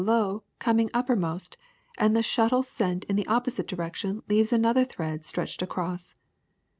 low coming uppermost, and the shuttle sent in the opposite direction leaves another thread stretched across.